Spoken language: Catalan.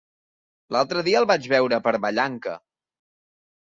L'altre dia el vaig veure per Vallanca.